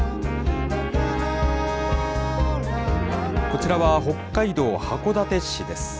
こちらは北海道函館市です。